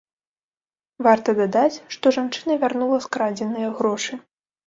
Варта дадаць, што жанчына вярнула скрадзеныя грошы.